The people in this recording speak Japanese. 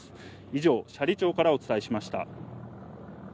以上、斜里町からお伝えしました。